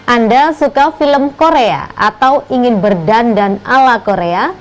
anda suka film korea atau ingin berdandan ala korea